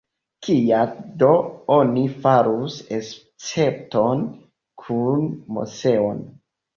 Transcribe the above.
Kial do oni farus escepton kun Moseo?